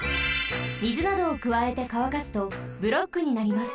みずなどをくわえてかわかすとブロックになります。